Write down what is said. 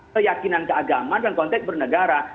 keyakinan keagaman dalam konteks bernegara